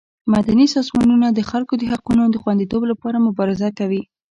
مدني سازمانونه د خلکو د حقونو د خوندیتوب لپاره مبارزه کوي.